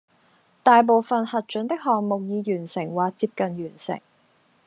大部分核准的項目已完成或接近完成